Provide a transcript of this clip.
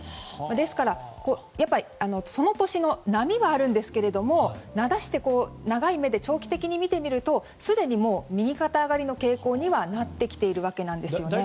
ですから、その年の波はあるんですけれども長い目で長期的に見ていくとすでに右肩上がりの傾向になってきているんですね。